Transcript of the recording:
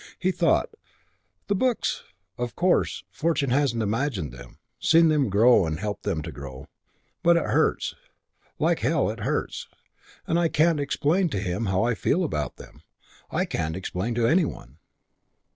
He thought: "The books.... Of course Fortune hasn't imagined them ... seen them grow helped them to grow.... But it hurts. Like hell it hurts.... And I can't explain to him how I feel about them.... I can't explain to any one."